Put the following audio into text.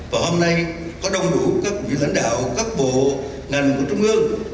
và hôm nay có đông đủ các vị lãnh đạo các bộ ngành của trung ương